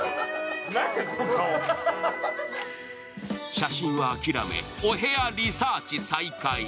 写真は諦め、お部屋リサーチ再開